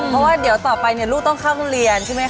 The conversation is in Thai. เพราะว่าเดี๋ยวต่อไปเนี่ยลูกต้องเข้าโรงเรียนใช่ไหมคะ